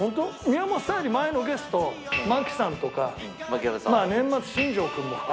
宮本さんより前のゲストマキさんとか年末新庄君も含めて。